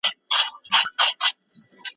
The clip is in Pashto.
که مسواک په لاس کې وي نو استعمال یې کړئ.